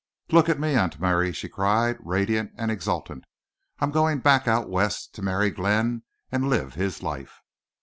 "Look at me, Aunt Mary!" she cried, radiant and exultant. "I'm going back out West to marry Glenn and live his life!"